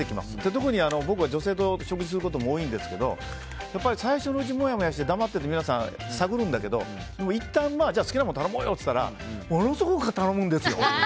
特に僕は女性と食事することも多いんですけど最初のうちモヤモヤして皆さん黙って探るんだけどいったん好きなもの頼もうよって言ったらものすごく頼むんですよ。